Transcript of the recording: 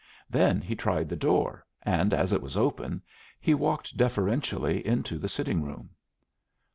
Then he tried the door, and as it was open, he walked deferentially into the sitting room.